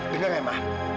dengar ya ma